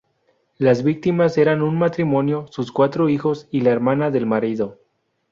Las víctimas eran un matrimonio, sus cuatro hijos y la hermana del marido.